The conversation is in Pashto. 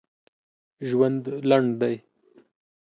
ژوند لنډ دی.